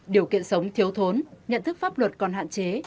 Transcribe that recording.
điều kiện sống thiếu thốn nhận thức pháp luật còn hạn chế